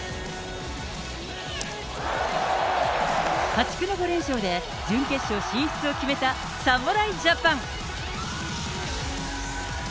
破竹の５連勝で、準決勝進出を決めた侍ジャパン。